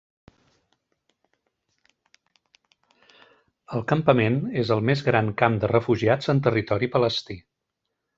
El campament és el més gran camp de refugiats en territori palestí.